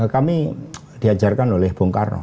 kami diajarkan oleh bung karno